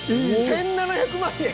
１，７００万円！？